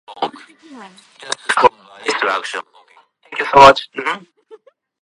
In her latest article, Morton explains how information technology is changing society.